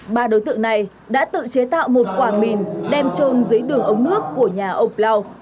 ba đối tượng này đã tự chế tạo một quả mìn đem trôn dưới đường ống nước của nhà ông bloo